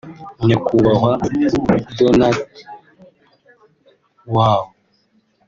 nyakubahwa Donald W